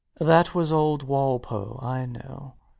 That was old Walpole, I know.